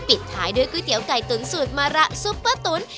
ปิดท้ายด้วยก๋วยเตี๋ยไก่ตุ๋นสูตรมะระซุปเปอร์ตุ๋น